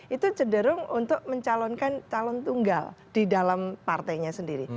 itu cenderung untuk mencalonkan calon tunggal di dalam partainya sendiri